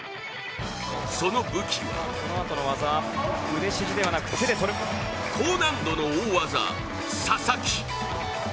その武器は高難度の大技、ササキ。